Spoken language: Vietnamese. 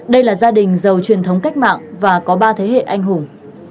đây là gia đình giàu truyền thống cách mạng và có ba thế hệ anh hùng